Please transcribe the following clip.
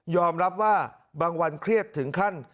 รับว่าบางวันเครียดถึงขั้น